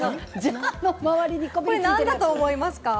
何だと思いますか？